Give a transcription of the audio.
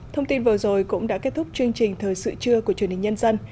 thông tin vừa rồi cũng đã kết thúc chương trình thời sự trưa của truyền hình nhân dân